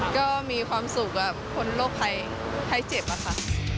ก็มีความสุขคนโรคภัยเจ็บครับค่ะ